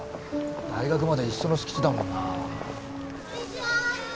大学まで一緒の敷地だもんな。